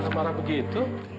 kenapa marah begitu